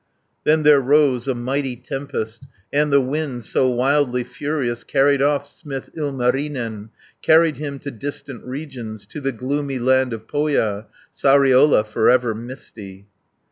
Then there rose a mighty tempest, And the wind so wildly furious 170 Carried off smith Ilmarinen, Hurried him to distant regions, To the gloomy land of Pohja, Sariola for ever misty.